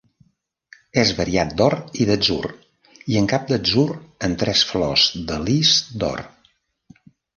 És variat d'or i d'atzur, i en cap d'atzur amb tres flors de lis d'or.